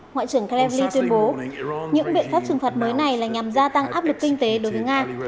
ngoại trưởng kremlin tuyên bố những biện pháp trừng phạt mới này là nhằm gia tăng áp lực kinh tế đối với nga